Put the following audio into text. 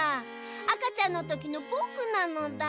あかちゃんのときのぼくなのだ。